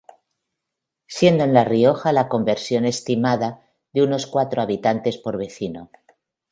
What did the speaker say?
Siendo en La Rioja la conversión estimada, de unos cuatro habitantes por vecino.